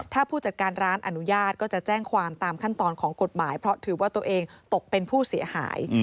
ถ้าผู้จัดการร้านอนุญาตก็จะแจ้งความตามขั้นตอนของกฎหมายเพราะถือว่าตัวเองตกเป็นผู้เสียหาย